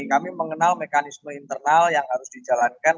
kami mengenal mekanisme internal yang harus dijalankan